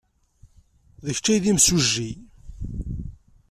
D kečč ay d imsujji.